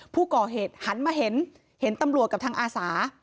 ผู้ก่อเหตุหันมาเห็นเห็นตำรวจกับทางอาสา